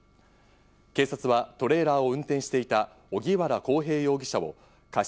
警察はトレーラーを運転していた荻原航平容疑者を過失